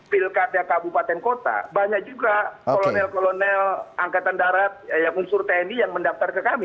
pilkada kabupaten kota banyak juga kolonel kolonel angkatan darat unsur tni yang mendaftar ke kami